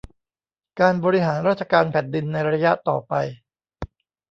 การบริหารราชการแผ่นดินในระยะต่อไป